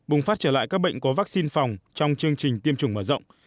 bùng phát trở lại các bệnh có vắc xin phòng trong chương trình tiêm chủng mở rộng